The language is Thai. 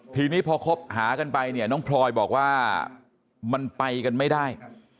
ทีนี้พอคบหากันไปเนี่ยน้องพลอยบอกว่ามันไปกันไม่ได้